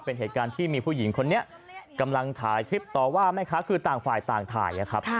เป็นเหตุการณ์ที่มีผู้หญิงคนนี้กำลังถ่ายคลิปต่อว่าแม่ค้าคือต่างฝ่ายต่างถ่ายนะครับ